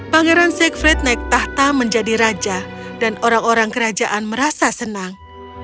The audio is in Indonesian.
pangeran siegfrite naik tahta menjadi raja dan orang orang kerajaan merasa senang